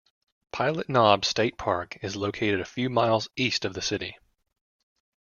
Pilot Knob State Park is located a few miles east of the city.